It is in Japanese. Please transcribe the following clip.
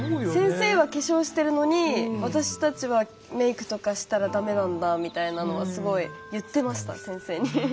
先生は化粧してるのに私たちはメークしたらだめなんだみたいなのはすごい言ってました、先生に。